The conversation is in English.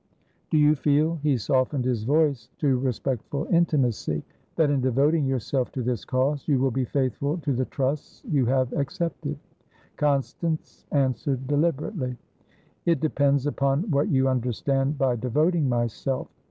"Do you feel," he softened his voice to respectful intimacy, "that, in devoting yourself to this cause, you will be faithful to the trusts you have accepted?" Constance answered deliberately. "It depends upon what you understand by devoting myself.